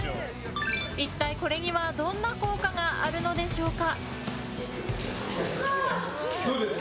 一体これにはどんな効果があるのでしょうか。